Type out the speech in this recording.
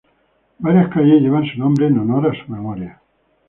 Varias calles llevan su nombre en honor a su memoria.